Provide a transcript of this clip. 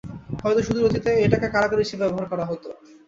হয়তো সুদূর অতীতে এটাকে কারাগার হিসেবে ব্যবহার করা হত।